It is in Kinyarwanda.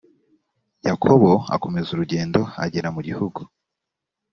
yakobo akomeza urugendo agera mu gihugu